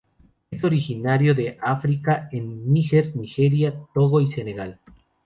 Es originario de África en Níger, Nigeria, Togo y Senegal.